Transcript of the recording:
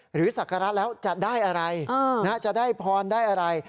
ศักระแล้วจะได้อะไรจะได้พรได้อะไร